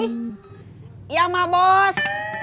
iya emak bos